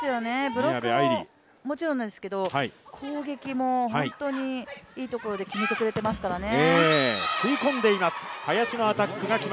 ブロックももちろんなんですけど攻撃も本当にいいところで決めてくれていますからね。